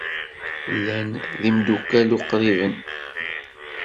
Llan d imeddukal uqriben.